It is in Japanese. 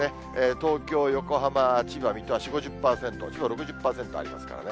東京、横浜、千葉、水戸は４、５０％、千葉６０％ありますからね。